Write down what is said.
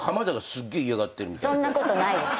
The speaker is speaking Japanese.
そんなことないです。